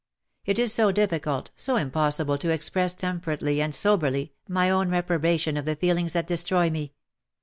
It is so difficult, so impossible to express temperately and soberly, my own reprobation of the feelings that destroy me